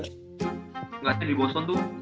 nggak sih di boston tuh